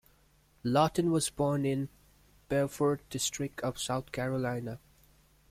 Lawton was born in the Beaufort District of South Carolina.